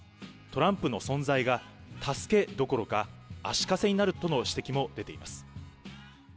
トランプの存在が、助けどころか、足かせになるとの指摘も出ています。